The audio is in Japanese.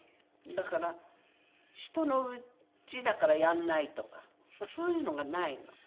だから人のうちだからやらないとかそういうのがないの。